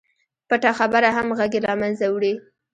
پټه خبره همغږي له منځه وړي.